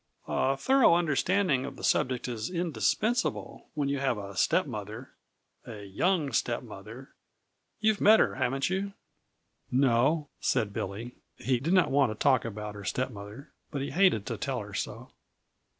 "A thorough understanding of the subject is indispensable when you have a stepmother a young stepmother. You've met her, haven't you?" "No," said Billy. He did not want to talk about her stepmother, but he hated to tell her so.